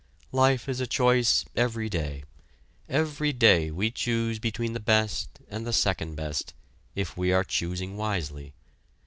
Life is a choice every day. Every day we choose between the best and the second best, if we are choosing wisely.